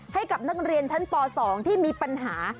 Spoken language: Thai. ให้กับนักเรียนชั้นป๒ที่มีปัญหา